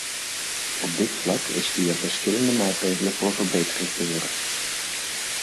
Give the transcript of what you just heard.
Op dit vlak is via verschillende maatregelen voor verbetering gezorgd.